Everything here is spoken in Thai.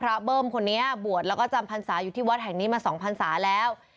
เบิ้มคนนี้บวชแล้วก็จำพรรษาอยู่ที่วัดแห่งนี้มา๒พันศาแล้ว